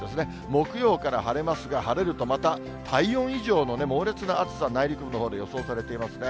木曜から晴れますが、晴れるとまた体温以上の猛烈な暑さ、内陸部のほうで予想されていますね。